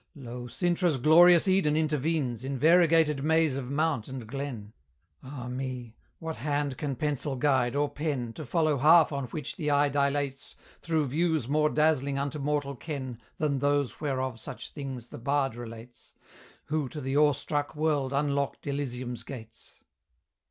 Lo! Cintra's glorious Eden intervenes In variegated maze of mount and glen. Ah me! what hand can pencil guide, or pen, To follow half on which the eye dilates Through views more dazzling unto mortal ken Than those whereof such things the bard relates, Who to the awe struck world unlocked Elysium's gates?